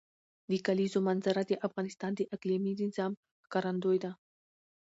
د کلیزو منظره د افغانستان د اقلیمي نظام ښکارندوی ده.